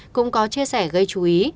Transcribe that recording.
cũng có chia sẻ gây chú ý